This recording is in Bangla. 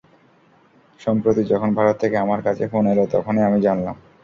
সম্প্রতি যখন ভারত থেকে আমার কাছে ফোন এল, তখনই আমি জানলাম।